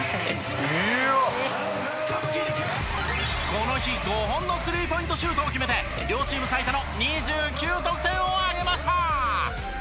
この日５本のスリーポイントシュートを決めて両チーム最多の２９得点を挙げました！